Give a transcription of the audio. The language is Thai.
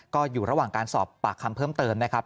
ก็อยู่ระหว่างการสอบปากคำเพิ่มเติมนะครับ